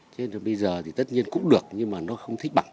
thế bây giờ thì tất nhiên cũng được nhưng mà nó không thích bằng